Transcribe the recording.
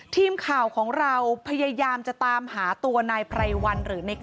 ทีมข่าวของเราพยายามจะตามหาตัวนายไพรวันหรือใน